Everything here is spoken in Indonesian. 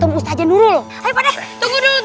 tunggu dulu tunggu dulu